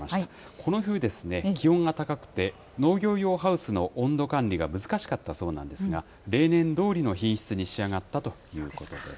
この冬、気温が高くて農業用ハウスの温度管理が難しかったそうなんですが、例年どおりの品質に仕上がったということです。